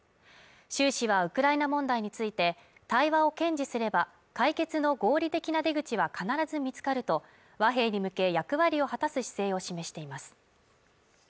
習氏はウクライナ問題について対話を堅持すれば、解決の合理的な出口は必ず見つかると和平に向け役割を果たす姿勢を示しています。